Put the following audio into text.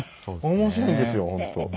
面白いんですよ本当。